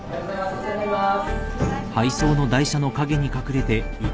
お願いします。